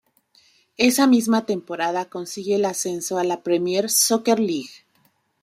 Esa misma temporada consigue el ascenso a la Premier Soccer League.